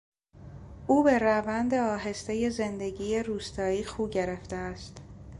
او به روند آهستهی زندگی روستایی خو گرفته است.